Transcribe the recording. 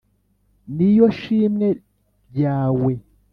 Ni yo shimwe ryawe